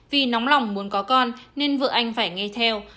vì nóng lòng muốn có con nên vợ anh phải nghe theo